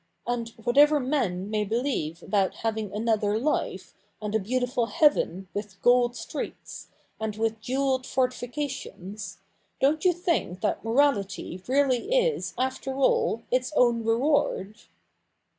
and, whatever men may believe about having another life, and a beautiful heaven, with gold streets, and with jewelled fortifications, don't you think that morality really is after all its own reward